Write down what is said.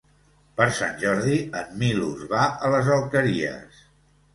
Per Sant Jordi en Milos va a les Alqueries.